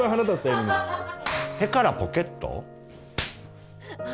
「手からポケット」？